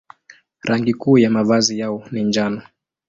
Rangi kuu ya mavazi yao ni njano.